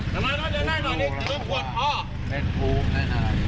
ทำล้ายเราจะได้หน่อยนิดเดี๋ยวต้องปวดพ่อเล่นฟูเล่นอะไร